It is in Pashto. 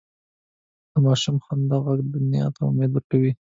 د ماشوم خندا ږغ دنیا ته امید ورکوي.